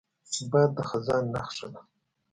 باد د خزان نښه ده